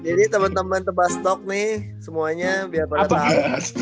jadi temen temen tebas talk nih semuanya biar pada saat